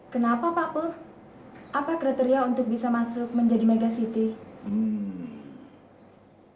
kenapa pak puh apa kriteria untuk bisa masuk menjadi mega city